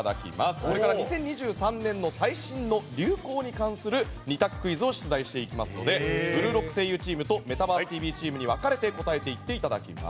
これから２０２３年の最新の流行に関する２択クイズを出題していきますので「ブルーロック」声優チームと「メタバースＴＶ！！」チームに分かれて答えていっていただきます。